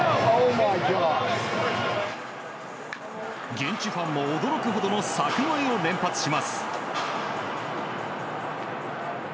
現地ファンも驚くほどの柵越えを連発します。